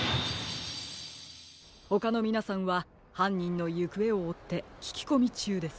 ほかのみなさんははんにんのゆくえをおってききこみちゅうです。